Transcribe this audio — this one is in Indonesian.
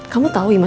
kamu tahu imas